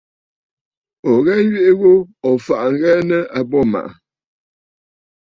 Ò ghɛ nyweʼe ghu, ò faʼà ŋ̀ghɛɛ nɨ̂ àbô màʼà.